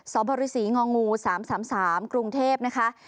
สบริษงองู๓๓กรุงเทพนะคะ